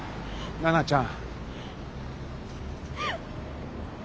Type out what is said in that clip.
奈々ちゃん。